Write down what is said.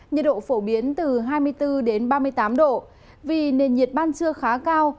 nhiệt độ phổ biến từ hai mươi bốn ba mươi tám độ vì nền nhiệt ban trưa khá cao